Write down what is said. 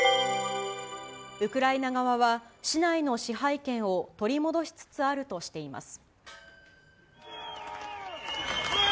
ウクライナ側は、市内の支配権を取り戻しつつあるとしています。